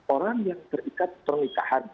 orang yang terikat pernikahan